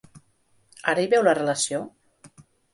Ara hi veieu la relació?